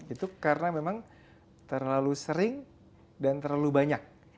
itu karena memang terlalu sering dan terlalu banyak